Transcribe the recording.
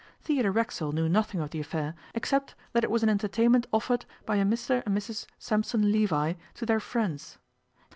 Theodore Racksole knew nothing of the affair, except that it was an entertainment offered by a Mr and Mrs Sampson Levi to their friends.